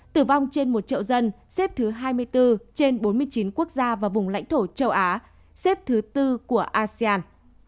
tử vong trên một triệu dân xếp thứ hai mươi bốn trên bốn mươi chín quốc gia và vùng lãnh thổ châu á xếp thứ tư của asean